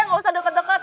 gak usah deket deket